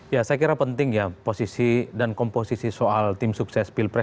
ya saya kira penting ya posisi dan komposisi soal tim sukses pilpres dua ribu sembilan belas